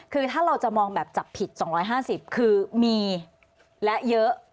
คือถ้าเราจะมองแบบจับผิด๒๕๐คือมีและเยอะ